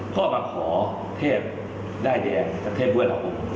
ก็มาขอเทพได้แดงเทพเวลา